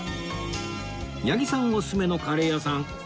八木さんおすすめのカレー屋さん楽しみ！